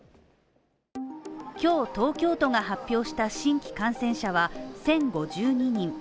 今日東京都が発表した新規感染者は１０５２人